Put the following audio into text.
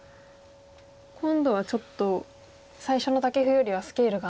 今度はちょっと最初のタケフよりはスケールが。